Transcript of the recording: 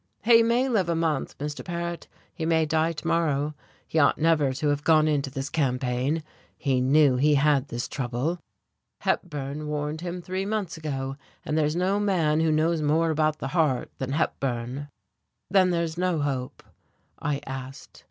"He may live a month, Mr. Paret, he may die to morrow. He ought never to have gone into this campaign, he knew he had this trouble. Hepburn warned him three months ago, and there's no man who knows more about the heart than Hepburn." "Then there's no hope?" I asked.